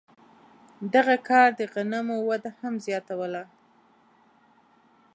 دغه کار د غنمو وده هم زیاتوله.